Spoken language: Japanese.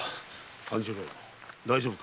半十郎大丈夫か。